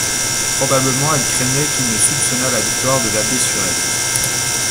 Probablement elle craignait qu'il ne soupçonnât la victoire de l'abbé sur elle.